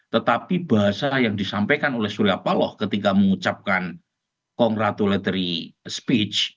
tetapi bahasa yang disampaikan oleh surya paloh ketika mengucapkan congratulatary speech